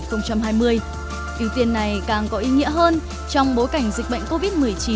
ưu tiên này càng có ý nghĩa hơn trong bối cảnh dịch bệnh covid một mươi chín